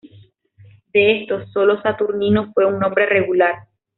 De estos, sólo Saturnino fue un nombre regular.